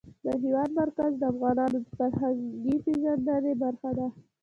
د هېواد مرکز د افغانانو د فرهنګي پیژندنې برخه ده.